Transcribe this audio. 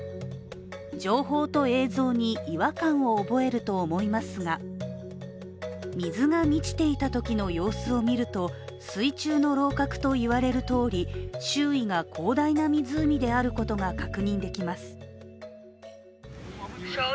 情報と映像に違和感を覚えると思いますが、水が満ちていたときの様子を見ると水中の楼閣と言われるとおり、周囲が広大な湖であることが確認できます。